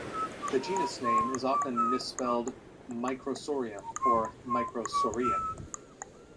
The genus name is often misspelled "Microsorium" or "Microsoreum".